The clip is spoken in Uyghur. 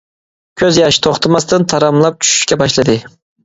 كۆز ياش، توختىماستىن تاراملاپ چۈشۈشكە باشلىدى.